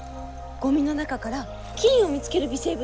ゴミの中から金を見つける微生物もいます。